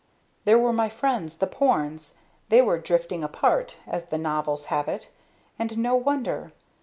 There were my friends the Pornes; they were 'drifting apart,' as the novels have it and no wonder.